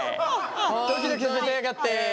ドキドキさせやがって。